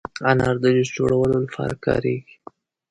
انار د جوس جوړولو لپاره کارېږي.